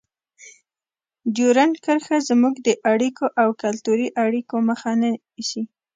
ډیورنډ کرښه زموږ د اړیکو او کلتوري اړیکو مخه نیسي.